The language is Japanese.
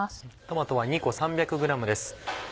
トマトは２個３００ｇです。